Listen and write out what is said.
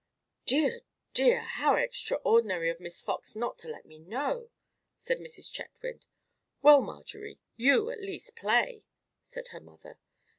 "Dear, dear! How extraordinary of Miss Fox not to let me know," said Mrs. Chetwynd. "Well, Marjorie, you at least play?" said her mother.